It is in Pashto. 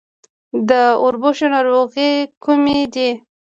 د وربشو ناروغۍ کومې دي؟